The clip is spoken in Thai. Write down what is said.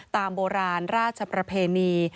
ตามโบราณราชประเพณี